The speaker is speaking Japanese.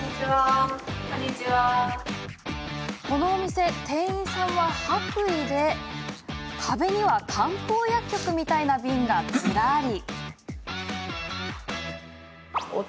このお店、店員さんは白衣で壁には、漢方薬局みたいな瓶がずらり。